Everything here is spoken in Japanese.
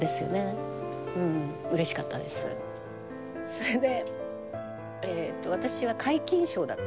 それで。